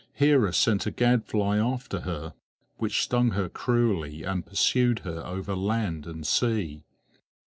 Hera sent a gadfly after her, which stung her cruelly, and pursued her over land and sea.